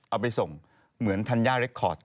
เอาไปส่งเหมือนธัญญาเรคคอร์ด